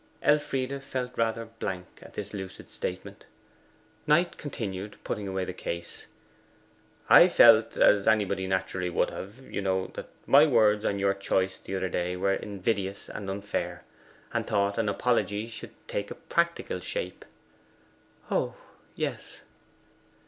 Elfride felt rather blank at this lucid statement. Knight continued, putting away the case: 'I felt as anybody naturally would have, you know, that my words on your choice the other day were invidious and unfair, and thought an apology should take a practical shape.' 'Oh yes.